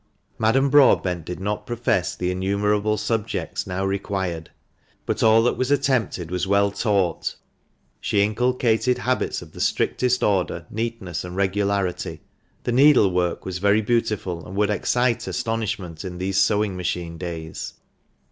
" Madame Broadbent did not profess the innumerable subjects now required, but all that was attempted was well taught. She inculcated habits of the strictest order, neatness, and regularity. The needlework was very beautiful, and would excite astonishment in these sewing machine days.